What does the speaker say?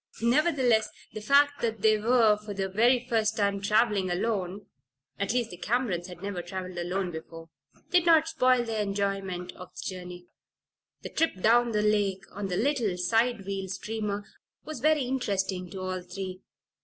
Nevertheless, the fact that they were for the very first time traveling alone (at least, the Camerons had never traveled alone before) did not spoil their enjoyment of the journey. The trip down the lake on the little side wheel steamer was very interesting to all three.